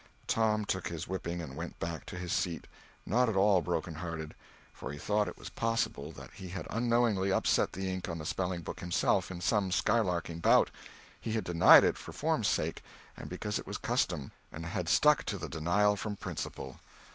Tom took his whipping and went back to his seat not at all broken hearted, for he thought it was possible that he had unknowingly upset the ink on the spelling book himself, in some skylarking bout—he had denied it for form's sake and because it was custom, and had stuck to the denial from principle.